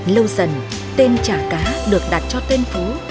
lâu dần tên chả cá được đặt cho tên phố